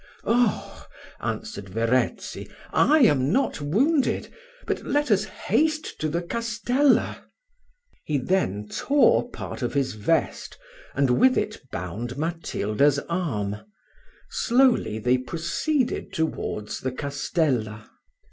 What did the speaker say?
"Oh!" answered Verezzi, "I am not wounded; but let us haste to the castella." He then tore part of his vest, and with it bound Matilda's arm. Slowly they proceeded towards the castella.